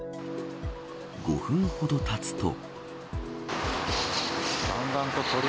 ５分ほどたつと。